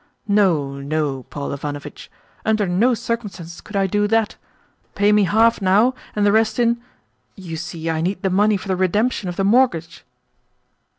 "No, no, Paul Ivanovitch. Under no circumstances could I do that. Pay me half now, and the rest in... You see, I need the money for the redemption of the mortgage."